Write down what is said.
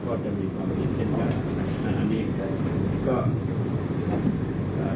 ก็จะมีความเหตุการณ์อันนั้นเอง